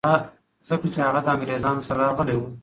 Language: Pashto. ځکه چي هغه له انګریزانو سره راغلی و.